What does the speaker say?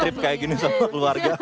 mirip kayak gini sama keluarga